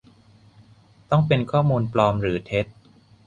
- ต้องเป็นข้อมูลปลอมหรือเท็จ